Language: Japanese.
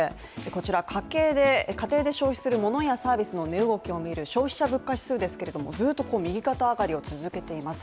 こちら、家庭で消費するモノやサービスの値動きを見る消費者物価指数ですけれども、ずっと右肩上がりを続けています。